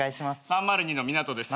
３０２の港です。